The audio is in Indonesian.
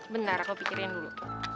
bentar aku pikirin dulu